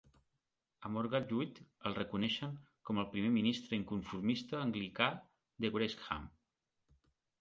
A Morgan Llwyd el reconeixen com el primer ministre inconformista anglicà de Wrexham.